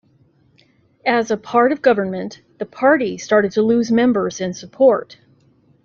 As a part of government, the party started to lose members and support.